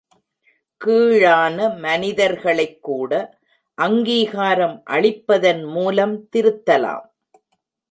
கீழான மனிதர்களைக்கூட அங்கீகாரம் அளிப்பதன் மூலம் திருத்தலாம்.